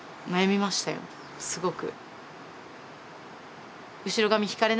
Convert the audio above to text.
すごく。